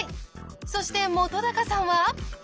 そして本さんは。